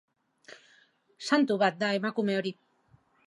Santu bat da emakume hori!